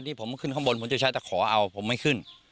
ที่ผมขึ้นข้างบนผมจะใช้ตะขอเอาผมไม่ขึ้น